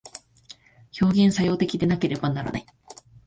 表現作用的でなければならない。